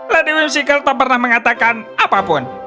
lady whimsical tak pernah mengatakan apapun